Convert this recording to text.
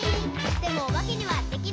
「でもおばけにはできない。」